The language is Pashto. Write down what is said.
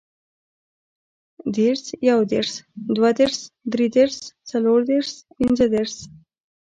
دېرس, یودېرس, دودېرس, درودېرس, څلوردېرس, پنځهدېرس